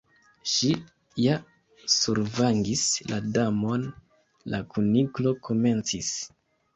"Ŝi ja survangis la Damon—" la Kuniklo komencis.